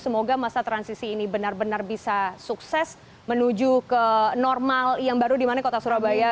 semoga masa transisi ini benar benar bisa sukses menuju ke normal yang baru dimana kota surabaya